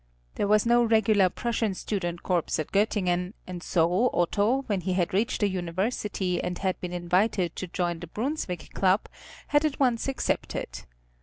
There was no regular Prussian student corps at Göttingen, and so Otto, when he had reached the University and had been invited to join the Brunswick Club, had at once accepted.